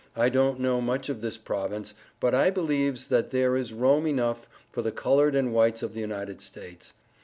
I don't know much of this Province but I beleaves that there is Rome enough for the colored and whites of the United States.